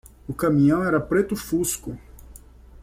O caminhão era preto fusco.